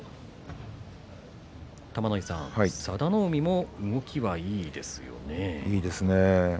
玉ノ井さん、佐田の海もいいですね。